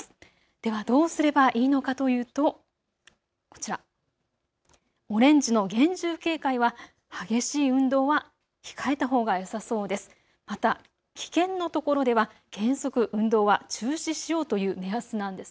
ではどうすればいいのかというとこちら、オレンジの厳重警戒は激しい運動は控えたほうがよさそうです。